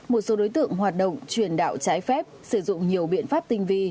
một số đối tượng hoạt động truyền đạo trái phép sử dụng nhiều biện pháp tinh vi